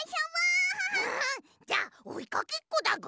じゃあおいかけっこだぐ。